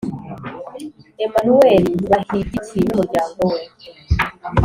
emanuweli bahigiki n'umuryango we;